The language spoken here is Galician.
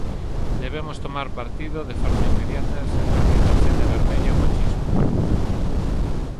Debemos tomar partido de forma inmediata e sacarlle a tarxeta vermella ao machismo.